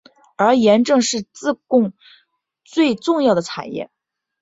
而盐正是自贡最重要的产业。